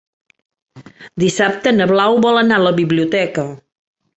Dissabte na Blau vol anar a la biblioteca.